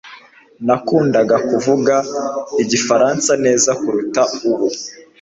Nakundaga kuvuga Igifaransa neza kuruta ubu.